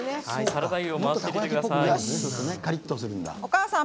サラダ油を回しかけてください。